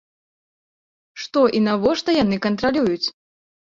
Што і навошта яны кантралююць?